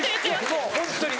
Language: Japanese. もうホントに。